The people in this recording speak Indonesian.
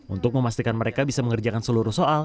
untuk memastikan mereka bisa mengerjakan seluruh soal